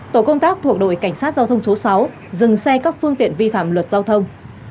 tổ công tác thuộc đội cảnh sát giao thông số sáu dừng xe các phương tiện vi phạm luật giao thông